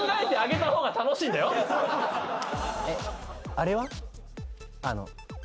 あれは？